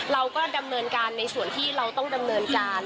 เราก็ดำเนินการในส่วนที่เราต้องดำเนินการ